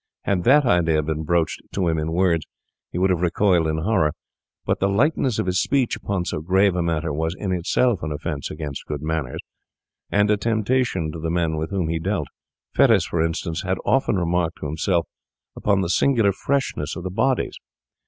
Had that idea been broached to him in words, he would have recoiled in horror; but the lightness of his speech upon so grave a matter was, in itself, an offence against good manners, and a temptation to the men with whom he dealt. Fettes, for instance, had often remarked to himself upon the singular freshness of the bodies.